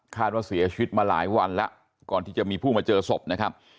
ว่าเสียชีวิตมาหลายวันแล้วก่อนที่จะมีผู้มาเจอศพนะครับ